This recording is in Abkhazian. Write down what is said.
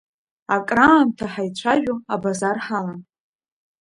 Акраамҭа ҳаицәажәо абазар ҳалан.